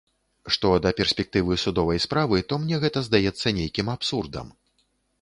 Што да перспектывы судовай справы, то мне гэта здаецца нейкім абсурдам.